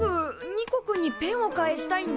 ニコくんにペンを返したいんだ。